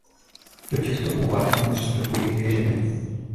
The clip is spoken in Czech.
Do těchto úvah mu vstupují dvě ženy.